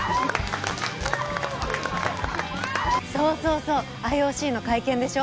そうそうそうＩＯＣの会見でしょ